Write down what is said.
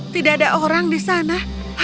tidak ada orang di sana